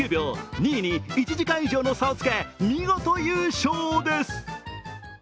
２位に１時間以上の差をつけ見事優勝です。